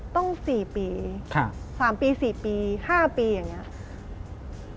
ต้องสี่ปีสามปีสี่ปีห้าปีอย่างงี้